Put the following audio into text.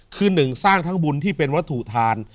คือหนึ่งสร้างทั้งบุญที่เป็นวัตถุทาน